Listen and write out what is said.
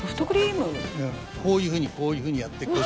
こういうふうにこういうふうにやって腰をこうやって。